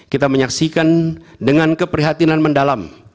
kita menyaksikan dengan keprihatinan mendalam